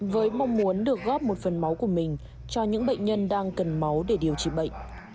với mong muốn được góp một phần máu của mình cho những bệnh nhân đang cần máu để điều trị bệnh